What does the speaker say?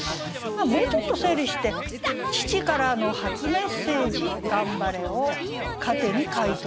もうちょっと整理して「父からの初メッセージ『頑張れ』を糧に解答用紙を捲る」。